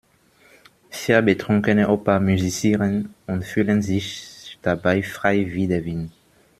Vier betrunkene Opas musizieren und fühlen sich dabei frei wie der Wind.